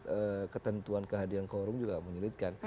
karena ketentuan kehadiran korum juga menyulitkan